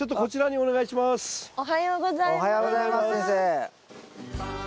おはようございます先生。